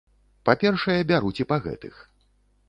Па-першае, бяруць і па гэтых.